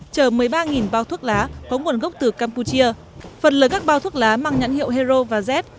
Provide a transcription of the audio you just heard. chở một mươi ba bao thuốc lá có nguồn gốc từ campuchia phần lời các bao thuốc lá mang nhãn hiệu hero và z